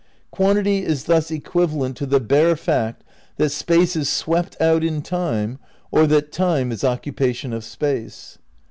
... "Quantity is thus equivalent to the bare fact that Space is swept out in Time, or that Time is occupation of Space.